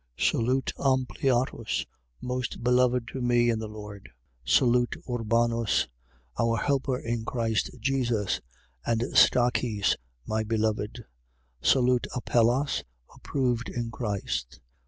16:8. Salute Ampliatus, most beloved to me in the Lord. 16:9. Salute Urbanus, our helper in Christ Jesus and Stachys, my beloved. 16:10. Salute Apellas, approved in Christ.